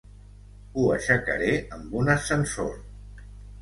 Ho aixecaré amb un ascensor.